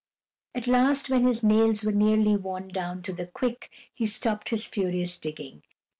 At last when his nails were nearly worn down to the quick, he stopped his furious digging.